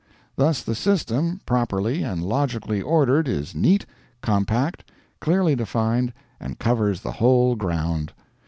Thus the system, properly and logically ordered, is neat, compact, clearly defined, and covers the whole ground.